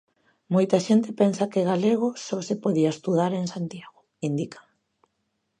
Moita xente pensa que galego só se podía estudar en Santiago, indican.